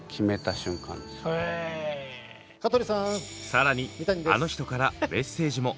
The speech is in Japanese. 更にあの人からメッセージも。